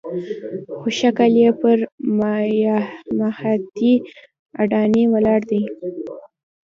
خو شکل یې پر ماهیتي اډانې ولاړ دی.